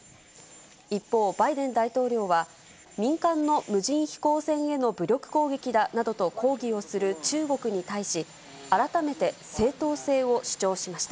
一方、バイデン大統領は、民間の無人飛行船への武力攻撃だなどと抗議をする中国に対し、改めて正当性を主張しました。